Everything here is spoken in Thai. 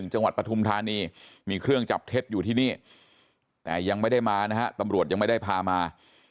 ปฐุมธานีมีเครื่องจับเท็จอยู่ที่นี่แต่ยังไม่ได้มานะฮะตำรวจยังไม่ได้พามา